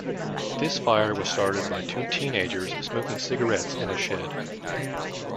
This fire was started by two teenagers smoking cigarettes in a shed.